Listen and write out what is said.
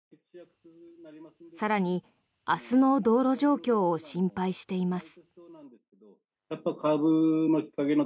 更に、明日の道路状況を心配しています。